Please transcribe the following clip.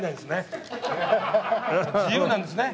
自由なんですね。